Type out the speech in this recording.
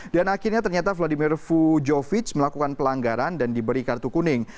dan akhirnya ternyata vladimir vujovic melakukan pelanggaran dan diberi kartu kuning